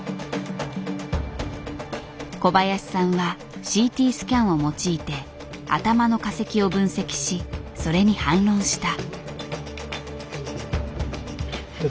小林さんはＣＴスキャンを用いて頭の化石を分析しそれに反論した。